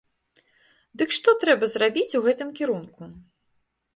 Дык што трэба зрабіць у гэтым кірунку?